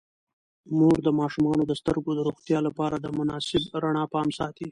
مور د ماشومانو د سترګو د روغتیا لپاره د مناسب رڼا پام ساتي.